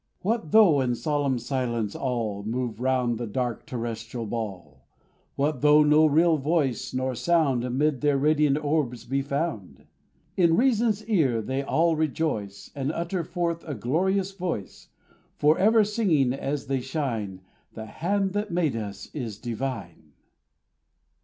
What though in solemn silence all Move round the dark terrestrial ball; What though no real voice nor sound Amid their radiant orbs be found? In Reason's ear they all rejoice, And utter forth a glorious voice; Forever singing as they shine, "The Hand that made us is divine."